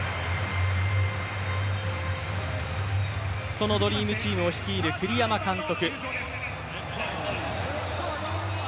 そのドリームチームを率いる栗山監督。